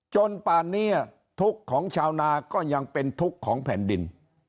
ป่านนี้ทุกข์ของชาวนาก็ยังเป็นทุกข์ของแผ่นดิน